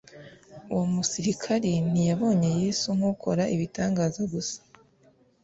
Uwo musirikari, ntiyabonye Yesu nk'ukora ibitangaza gusa,